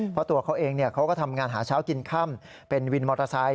เพราะตัวเขาเองเขาก็ทำงานหาเช้ากินค่ำเป็นวินมอเตอร์ไซค